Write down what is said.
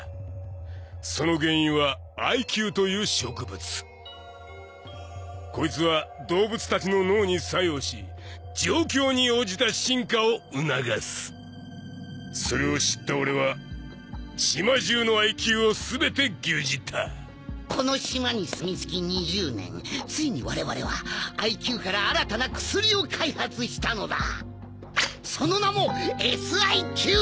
その原因はＩＱという植物こいつは動物たちの脳に作用し状況に応じた進化を促すそれを知った俺は島中のＩＱを全て牛耳ったこの島に住みつき２０年ついに我々はＩＱから新たな薬を開発したのだその名も「ＳＩＱ」